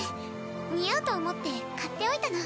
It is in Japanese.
似合うと思って買っておいたの。